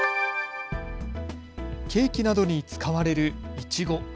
ケーキなどに使われるいちご。